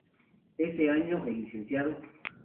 Ese año el Lic.